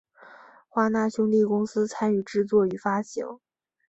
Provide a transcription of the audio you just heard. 华纳兄弟公司参与制作与发行。